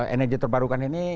energi terbarukan ini